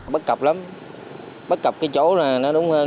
bất cập lắm bất cập cái chỗ là nó đúng hơn